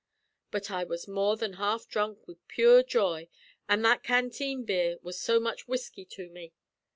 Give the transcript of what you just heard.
But I was more than half dhrunk wid pure joy, an' that canteen beer was so much whisky to me.